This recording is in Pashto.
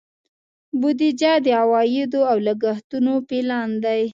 بودیجه د عوایدو او لګښتونو پلان دی.